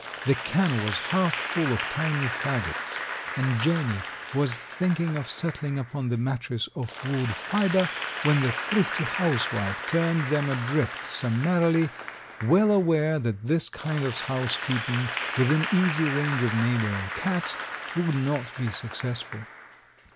The can was half full of tiny fagots, and Jenny was thinking of settling upon the mattress of wood fibre when the thrifty housewife turned them adrift summarily, well aware that this kind of housekeeping, within easy range of neighboring cats, would not be successful.